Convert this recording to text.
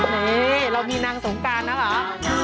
นี่เรามีนางสงการแล้วเหรอ